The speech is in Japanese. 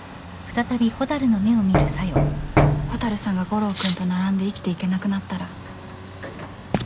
蛍さんが悟郎君と並んで生きていけなくなったら。